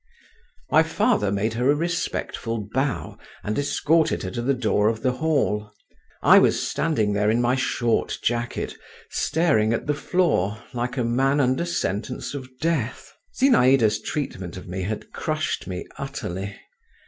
My father made her a respectful bow and escorted her to the door of the hall. I was standing there in my short jacket, staring at the floor, like a man under sentence of death. Zinaïda's treatment of me had crushed me utterly.